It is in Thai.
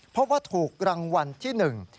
เพราะว่าถูกรางวัลที่หนึ่ง